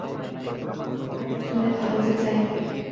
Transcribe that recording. ভাবনার সঙ্গে খরচও চাই।